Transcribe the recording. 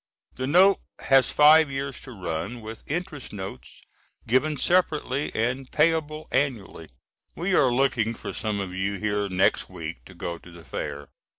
The note has five years to run, with interest notes given separately and payable annually. We are looking for some of you here next week to go to the fair.